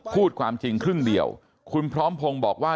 พูดความจริงครึ่งเดียวคุณพร้อมพงศ์บอกว่า